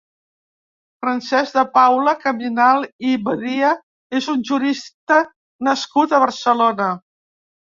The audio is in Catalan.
Francesc de Paula Caminal i Badia és un jurista nascut a Barcelona.